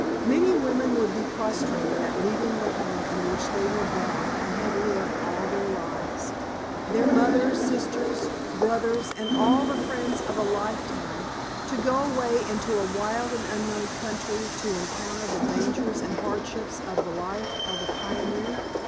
Many women would be prostrated at leaving the home in which they were born and had lived all their lives, their mother, sisters, brothers and all the friends of a lifetime to go away into a wild and unknown country to encounter the dangers and hardships of the life of a pioneer.